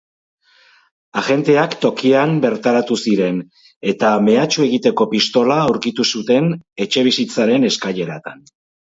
Agenteak tokian bertaratu ziren eta mehatxu egiteko pistola aurkitu zuten etxebizitzaren eskaileratan.